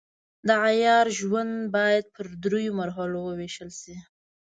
د عیار ژوند باید پر دریو مرحلو وویشل شي.